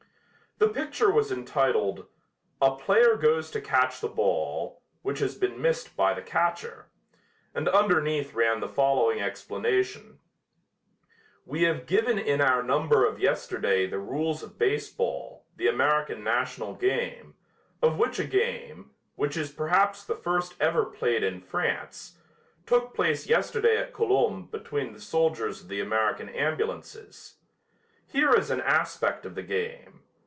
The picture was entitled: "A player goes to catch the ball, which has been missed by the catcher," and underneath ran the following explanation: "We have given in our number of yesterday the rules of baseball, the American national game, of which a game, which is perhaps the first ever played in France, took place yesterday at Colombes between the soldiers of the American ambulances. Here is an aspect of the game.